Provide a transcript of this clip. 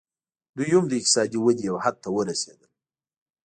دوی هم د اقتصادي ودې یو حد ته ورسېدل